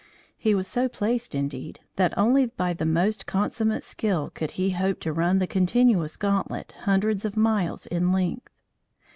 He was so placed, indeed, that only by the most consummate skill could he hope to run the continuous gauntlet, hundreds of miles in length.